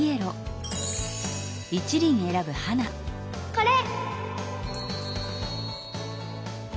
これ！